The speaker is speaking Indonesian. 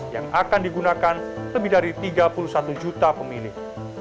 yang akan digunakan lebih dari tiga puluh satu juta pemilik